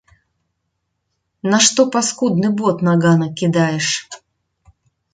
Нашто паскудны бот на ганак кідаеш?